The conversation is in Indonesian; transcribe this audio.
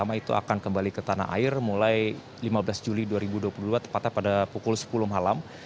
nama itu akan kembali ke tanah air mulai lima belas juli dua ribu dua puluh dua tepatnya pada pukul sepuluh malam